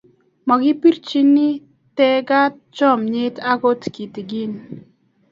Makibirchini teget chomyet agot kitigen